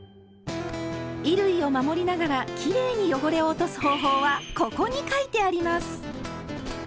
衣類を守りながらきれいに汚れを落とす方法は「ここ」に書いてあります！